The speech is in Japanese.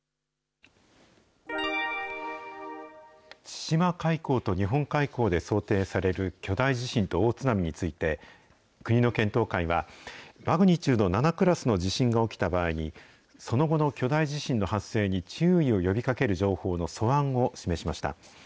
千島海溝と日本海溝で想定される巨大地震と大津波について、国の検討会は、マグニチュード７クラスの地震が起きた場合に、その後の巨大地震の発生に注意を呼びかける情報の素案を示しました。